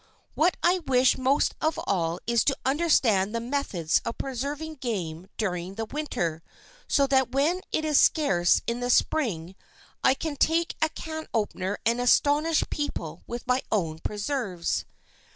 What I wish most of all is to understand the methods of preserving game during the winter so that when it is scarce in the spring I can take a can opener and astonish people with my own preserves.